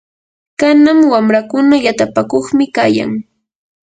kanan wamrakuna yatapakuqmi kayan.